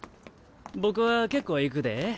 僕は結構行くで。